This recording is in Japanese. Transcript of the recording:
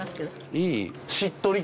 いい。